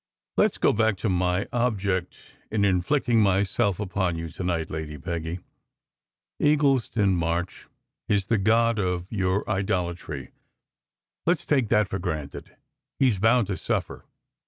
"Let s go back to my object in inflicting myself upon you to night, Lady Peggy. Eagleston March is the god of your idolatry. Let s take that for granted. He s bound to suffer.